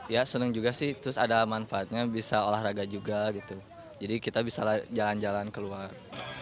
ya senang juga sih terus ada manfaatnya bisa olahraga juga gitu jadi kita bisa jalan jalan keluar